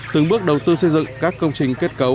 từng bước đầu tư xây dựng các công trình kết cấu